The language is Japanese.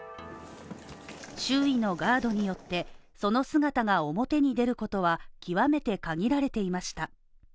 周囲のガードによってその姿が表に出ることは極めて限られていました。